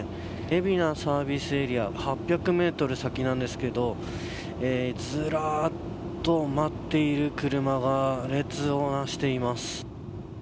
海老名サービスエリア８００メートル先なんですけどずらっと待っている車が列をなしています。